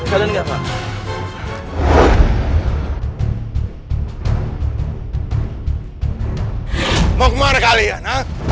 orang orang dan kebelikan